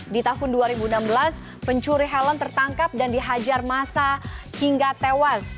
di tahun dua ribu enam belas pencuri helm tertangkap dan dihajar masa hingga tewas